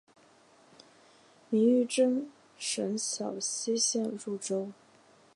明玉珍省小溪县入州。